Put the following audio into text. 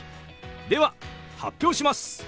では発表します！